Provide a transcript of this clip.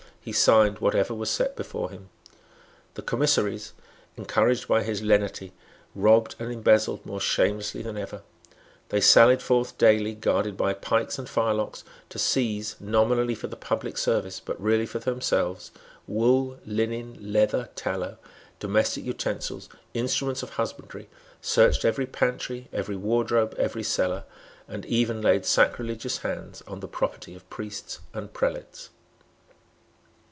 He signed whatever was set before him. The commissaries, encouraged by his lenity, robbed and embezzled more shamelessly than ever. They sallied forth daily, guarded by pikes and firelocks, to seize, nominally for the public service, but really for themselves, wool, linen, leather, tallow, domestic utensils, instruments of husbandry, searched every pantry, every wardrobe, every cellar, and even laid sacrilegious hands on the property of priests and prelates.